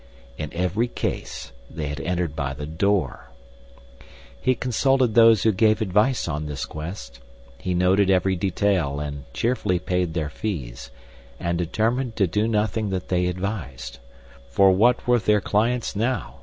In every case they had entered by the door. He consulted those who gave advice on this quest; he noted every detail and cheerfully paid their fees, and determined to do nothing that they advised, for what were their clients now?